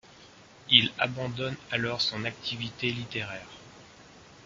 Il abandonne alors son activité littéraire.